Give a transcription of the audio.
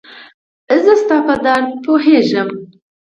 زه ستا په درد پوهيږم